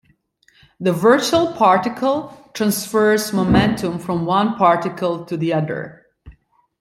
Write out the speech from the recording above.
The virtual particle transfers momentum from one particle to the other.